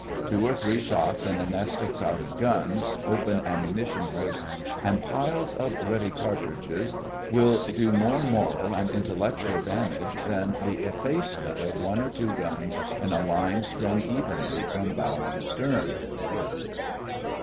Two or three shots in a nest of crowded guns, open ammunition hoists, and piles of 'ready' cartridges, will do more moral and intellectual damage than the effacement of one or two guns in a line strung evenly from bow to stern.